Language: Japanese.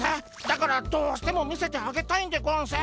だからどうしても見せてあげたいんでゴンス。